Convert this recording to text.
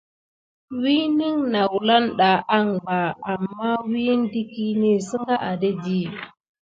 Winən noula ɗa anŋɓa amma wiyin də kini. Sənga adedi.